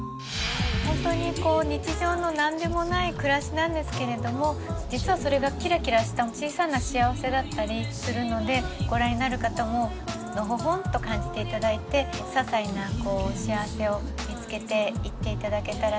本当にこう日常の何でもない暮らしなんですけれども実はそれがキラキラした小さな幸せだったりするのでご覧になる方ものほほんと感じて頂いてささいな幸せを見つけていって頂けたらなっていうふうに思ってます。